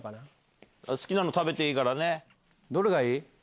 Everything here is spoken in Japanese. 好きなの食べていいからね。